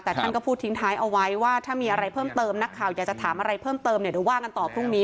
แต่ท่านก็พูดทิ้งท้ายเอาไว้ว่าถ้ามีอะไรเพิ่มเติมนักข่าวอยากจะถามอะไรเพิ่มเติมเนี่ยเดี๋ยวว่ากันต่อพรุ่งนี้